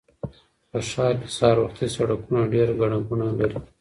په ښار کې سهار وختي سړکونه ډېر ګڼه ګوڼه لري